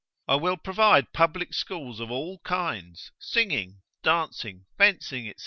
I will provide public schools of all kinds, singing, dancing, fencing, &c.